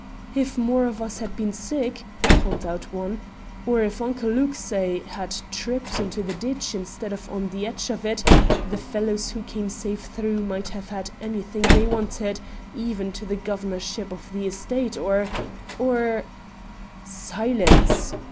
"If more of us had been sick," called out one; "or if Uncle Luke, say, had tripped into the ditch instead of on the edge of it, the fellows who came safe through might have had anything they wanted, even to the governorship of the state or or " "Silence!"